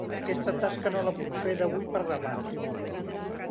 Aquesta tasca no la puc fer d'avui per demà.